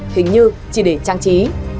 hình như chỉ để trang trí